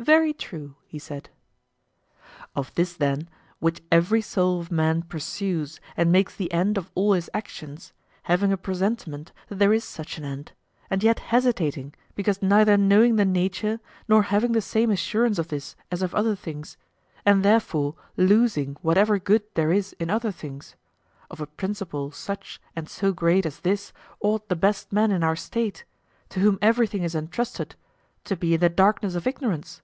Very true, he said. Of this then, which every soul of man pursues and makes the end of all his actions, having a presentiment that there is such an end, and yet hesitating because neither knowing the nature nor having the same assurance of this as of other things, and therefore losing whatever good there is in other things,—of a principle such and so great as this ought the best men in our State, to whom everything is entrusted, to be in the darkness of ignorance?